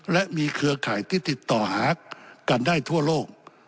และมีเครือข่ายที่ติดต่อหากันได้ทั่วโลก